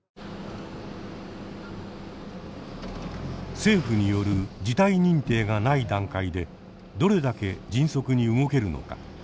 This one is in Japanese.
政府による事態認定がない段階でどれだけ迅速に動けるのか